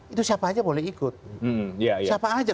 itu siapa aja boleh ikut siapa aja